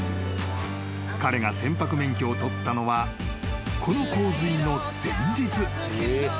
［彼が船舶免許を取ったのはこの洪水の前日］